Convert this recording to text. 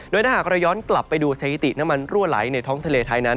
ถ้าหากเราย้อนกลับไปดูสถิติน้ำมันรั่วไหลในท้องทะเลไทยนั้น